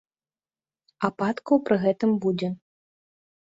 Ападкаў пры гэтым будзе.